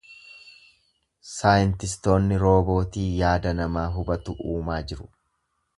Saayintistoonni roobootii yaada namaa hubatu uumaa jiru.